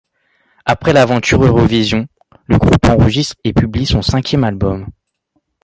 Après l'aventure Eurovision, le groupe enregistre et publie son cinquième album.